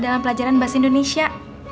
dalam pelajaran bahasa indonesia